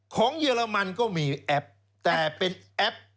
เยอรมันก็มีแอปแต่เป็นแอป